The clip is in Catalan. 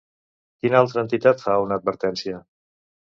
Quina altra entitat fa una advertència?